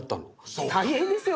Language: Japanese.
大変ですよ